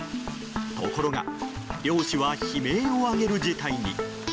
ところが、漁師は悲鳴を上げる事態に。